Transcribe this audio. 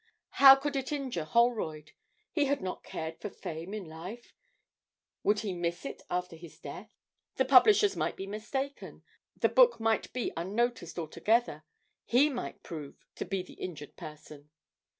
How could it injure Holroyd? He had not cared for fame in life; would he miss it after his death? The publishers might be mistaken; the book might be unnoticed altogether; he might prove to be the injured person.